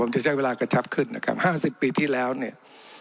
จะใช้เวลากระชับขึ้นนะครับ๕๐ปีที่แล้วเนี่ย